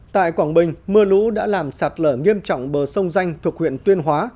tại quảng bình mưa lũ đã làm sạt lở nghiêm trọng bờ sông danh thuộc huyện tuyên hóa